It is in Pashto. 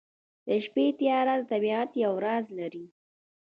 د شپې تیاره د طبیعت یو راز لري.